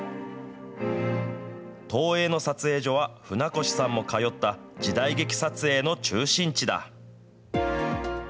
東映の撮影所は、船越さんも通った時代劇撮影の中心地だ。